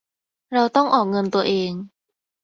เราต้องออกเงินตัวเอง